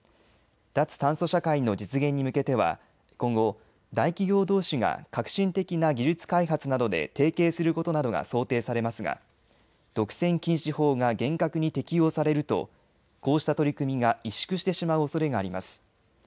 脱炭素社会の実現に向けては今後、大企業どうしが革新的な技術開発などで提携することなどが想定されますが独占禁止法が厳格に適用されるとこうした取り組みが萎縮してしまうおそれがあります。